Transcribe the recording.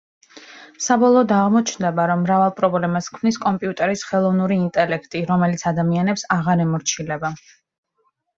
საბოლოოდ აღმოჩნდება, რომ მრავალ პრობლემას ქმნის კომპიუტერის ხელოვნური ინტელექტი, რომელიც ადამიანებს აღარ ემორჩილება.